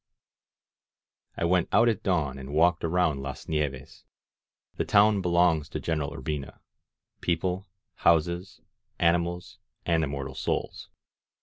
••• S6 INSURGENT MEXICO I went out at dawn and walked around Las Nieves. The town belongs to General Urbina, people, houses, animals and immortal souls.